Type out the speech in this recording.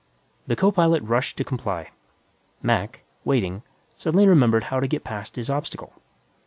The co pilot rushed to comply. Mac, waiting, suddenly remembered how to get past his obstacle.